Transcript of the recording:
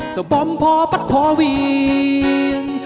สะบอมพอปัดพอวีน